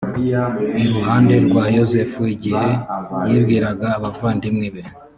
iruhande rwa yozefu igihe yibwiraga abavandimwe be